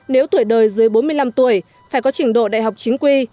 nếu tuổi đời dưới bốn mươi năm tuổi phải có trình độ đại học chính quy